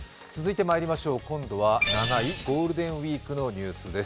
今度は７位、ゴールデンウイークのニュースです。